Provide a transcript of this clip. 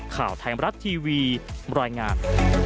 ข่าวไทยมรัฐทีวีบรรยายงาน